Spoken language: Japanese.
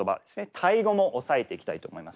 タイ語も押さえていきたいと思います。